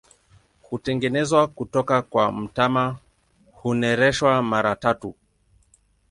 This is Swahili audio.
Hutengenezwa kutoka kwa mtama, hunereshwa mara tatu.